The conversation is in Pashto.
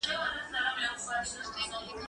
زه هره ورځ د لوبو لپاره وخت نيسم،